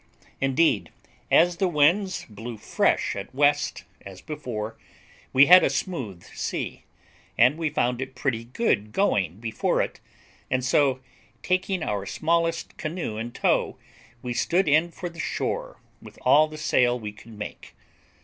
Indeed, as the winds blew fresh at west, as before, we had a smooth sea, and we found it pretty good going before it, and so, taking our smallest canoe in tow, we stood in for the shore with all the sail we could make.